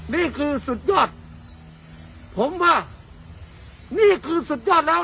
นี่คือสุดยอดผมว่านี่คือสุดยอดแล้ว